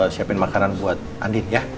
siapin makanan buat andin ya